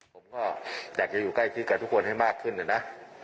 ผมก็อยากจะอยู่ใกล้ชิดกับทุกคนให้มากขึ้นนะ